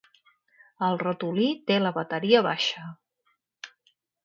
El ratolí té la bateria baixa.